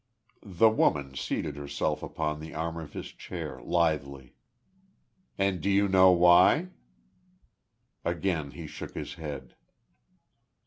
The Woman seated herself upon the arm of his chair, lithely. "And do you know why?" Again he shook his head.